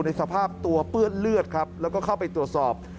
ในสภาพตัวเปื้อนเลือดครับแล้วก็เข้าไปตรวจสอบ